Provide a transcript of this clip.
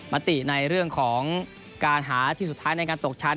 มติในเรื่องของการหาทีมสุดท้ายในการตกชั้น